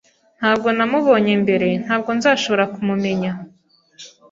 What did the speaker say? Ntabwo namubonye mbere, ntabwo nzashobora kumumenya